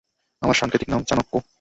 আমার সাংকেতিক নাম চাণক্য।